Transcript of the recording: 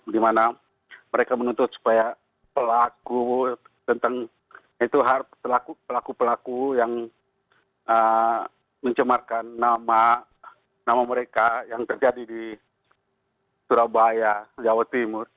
dimana mereka menuntut supaya pelaku tentang itu pelaku pelaku yang mencemarkan nama mereka yang terjadi di surabaya jawa timur